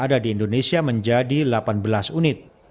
sudah berada di indonesia menjadi delapan belas unit